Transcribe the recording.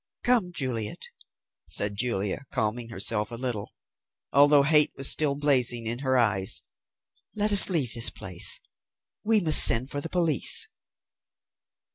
"Come, Juliet," said Julia, calming herself a little, although hate was still blazing in her eyes, "let us leave this place. We must send for the police."